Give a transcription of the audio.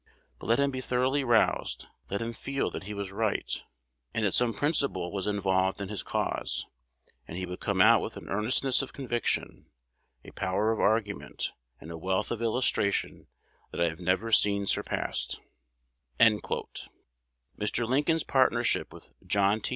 But let him be thoroughly roused, let him feel that he was right, and that some principle was involved in his cause, and he would come out with an earnestness of conviction, a power of argument, and a wealth of illustration, that I have never seen surpassed." Mr. Lincoln's partnership with John T.